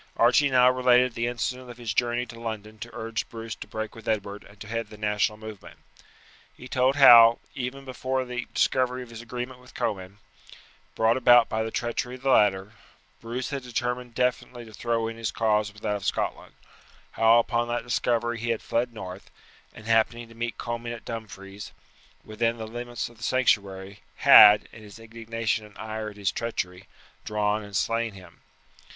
Archie now related the incident of his journey to London to urge Bruce to break with Edward and to head the national movement. He told how, even before the discovery of his agreement with Comyn, brought about by the treachery of the latter, Bruce had determined definitely to throw in his cause with that of Scotland; how upon that discovery he had fled north, and, happening to meet Comyn at Dumfries, within the limits of the sanctuary, had, in his indignation and ire at his treachery, drawn and slain him.